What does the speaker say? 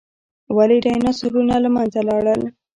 ولې ډیناسورونه له منځه لاړل؟